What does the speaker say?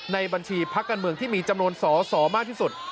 ในบัญชีพักการเมืองที่มีจำนวนสอสอมากที่สุด